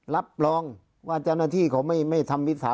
รับรองว่าเจ้าหน้าที่เขาไม่ทำมิจฉา